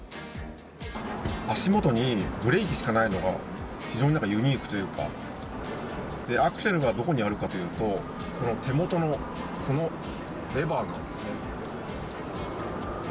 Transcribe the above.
足元にブレーキしかないのが非常にユニークというかアクセルがどこにあるかというとこの手元の、このレバーなんですね。